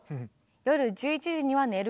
「夜１１時には寝ること」。